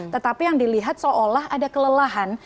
tetapi yang dilihat seolah ada kelelahan